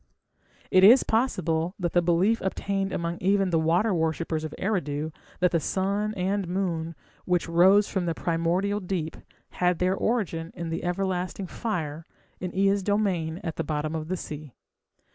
It is possible that the belief obtained among even the water worshippers of Eridu that the sun and moon, which rose from the primordial deep, had their origin in the everlasting fire in Ea's domain at the bottom of the sea.